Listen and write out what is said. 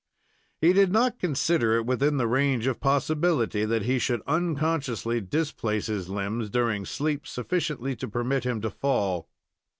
He did not consider it within the range of possibility that he could unconsciously displace his limbs during sleep sufficiently to permit him to fall.